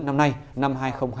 năm nay năm hai nghìn hai mươi bốn